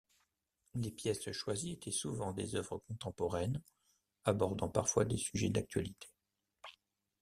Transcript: Les pièces choisies étaient souvent des œuvres contemporaines, abordant parfois des sujets d'actualité.